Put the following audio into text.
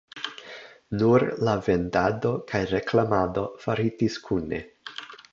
Nur la vendado kaj reklamado faritis kune.